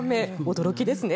驚きですね。